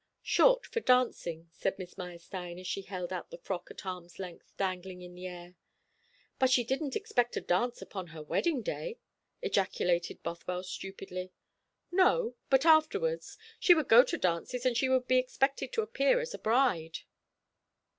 "Short, for dancing," said Miss Meyerstein, as she held out the frock at arm's length, dangling in the air. "But she didn't expect to dance upon her wedding day!" ejaculated Bothwell stupidly. "No, but afterwards. She would go to dances, and she would be expected to appear as a bride."